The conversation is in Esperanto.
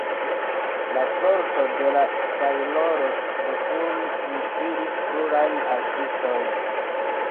La sorto de la "tajloro de Ulm" inspiris plurajn artistojn.